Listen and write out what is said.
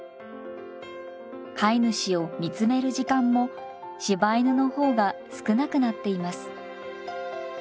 飼い主を見つめる時間も柴犬の方が少なくなっています。